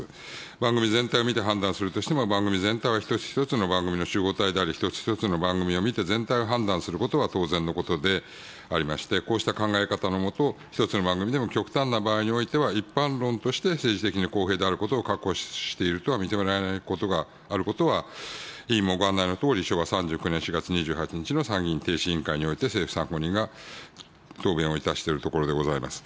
番組全体を見て判断するとしても、番組全体は一つ一つの番組の集合体であり、一つ一つの番組を見て全体を判断することが当然のことでありまして、こうした考え方の下、一つの番組でも極端な場合においては、一般論として、政治的に公平であることを確保しているとは認められないことがあることは、委員もご案内のとおり、昭和３９年４月２８日の参議院逓信委員会において、政府参考人が答弁をいたしているところでございます。